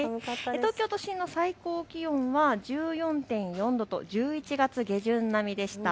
東京都心の最高気温は１４．４度と１１月下旬並みでした。